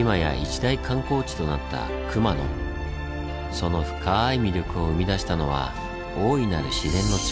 その深い魅力を生み出したのは大いなる自然の力。